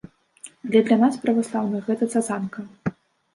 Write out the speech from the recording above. Але для нас, праваслаўных, гэта цацанка.